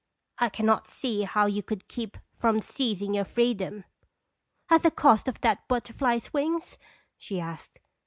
1 can not see how you could keep from seizing your freedom." "At the cost of that butterfly's wings?" she asked.